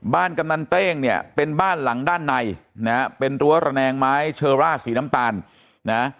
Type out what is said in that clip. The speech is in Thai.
กำนันเต้งเนี่ยเป็นบ้านหลังด้านในนะฮะเป็นรั้วระแนงไม้เชอร่าสีน้ำตาลนะ